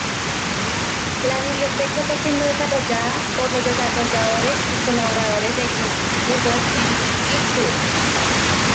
La biblioteca está siendo desarrollada por los desarrolladores y colaboradores de Google en GitHub.